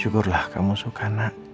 syukurlah kamu suka nak